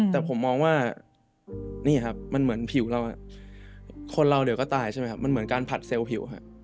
แต่ผมมองว่านี่ครับมันเหมือนผิวเราคนเราเดี๋ยวก็ตายใช่ไหมครับมันเหมือนการผัดเซลล์ผิว